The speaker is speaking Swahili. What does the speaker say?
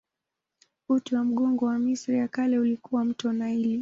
Uti wa mgongo wa Misri ya Kale ulikuwa mto Naili.